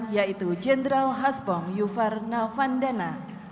yaitu jenderal hasbong yuvarna vandana